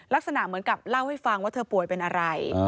ลักษณะเหมือนกับเล่าให้ฟังว่าเธอป่วยเป็นอะไร